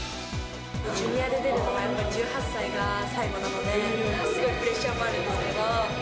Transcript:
ジュニアで出るのはやっぱり１８歳が最後なので、すごくプレッシャーもあるんですけど。